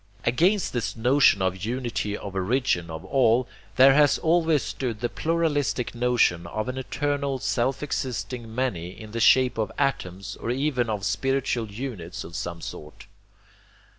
Against this notion of the unity of origin of all there has always stood the pluralistic notion of an eternal self existing many in the shape of atoms or even of spiritual units of some sort.